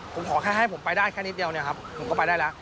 ผมขอแค่ให้ผมไปได้แค่นิดเดียวผมก็ไปได้แล้ว